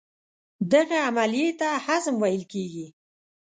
دغې عملیې ته هضم ویل کېږي.